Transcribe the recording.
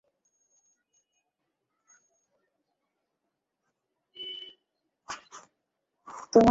তোমাদের কী একটা নিয়ে ভাবনা চলছে।